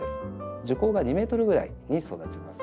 樹高が２ｍぐらいに育ちます。